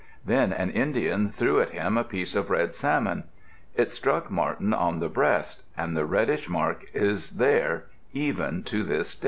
Then an Indian threw at him a piece of red salmon. It struck Marten on the breast and the reddish mark is there, even to this day.